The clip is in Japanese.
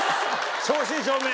正真正銘。